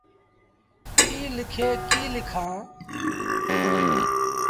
ڪيٚ ليٚکي ڪيٚ لکآݩ۔